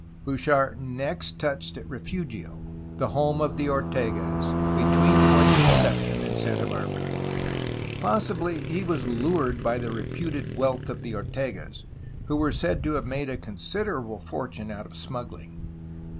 Bouchard next touched at Refugio, the home of the Ortegas, between Point Conception and Santa Barbara. Possibly he was lured by the reputed wealth of the Ortegas, who were said to have made a considerable fortune out of smuggling.